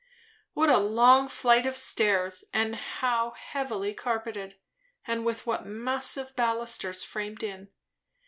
What a long flight of stairs! and how heavily carpeted; and with what massive balusters framed in.